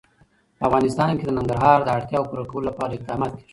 په افغانستان کې د ننګرهار د اړتیاوو پوره کولو لپاره اقدامات کېږي.